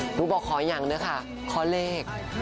หนูบอกขออย่างนี้ค่ะขอเลข